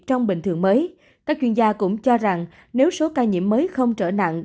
trong bình thường mới các chuyên gia cũng cho rằng nếu số ca nhiễm mới không trở nặng